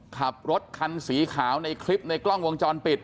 ขับรถคันสีขาวในคลิปในกล้องวงจรปิด